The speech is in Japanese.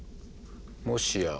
もしや。